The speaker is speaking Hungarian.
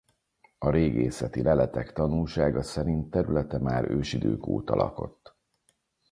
A régészeti leletek tanúsága szerint területe már ősidők óta lakott.